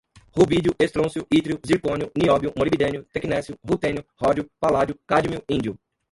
rubídio, estrôncio, ítrio, zircônio, nióbio, molibdênio, tecnécio, rutênio, ródio, paládio, cádmio, índio